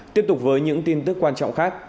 tiếp tục với những tin tức quan trọng khác